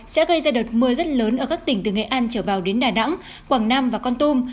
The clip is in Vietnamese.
sẽ gây ra đợt mưa rất lớn ở các tỉnh từ nghệ an trở vào đến đà nẵng quảng nam và con tum